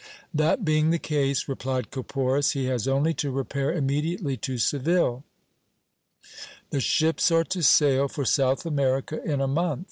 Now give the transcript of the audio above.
That being the case, replied Caporis, he has only to repair immediately to Seville : the ships are to sail for South America in a month.